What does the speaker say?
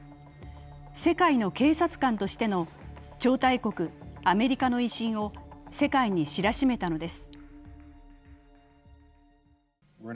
世界の警察官としての超大国アメリカの威信を世界に知らしめたのです。